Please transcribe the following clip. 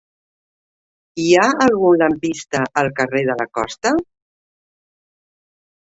Hi ha algun lampista al carrer de la Costa?